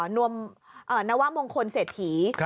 นวมนวมว่ามงคลเศรษฐี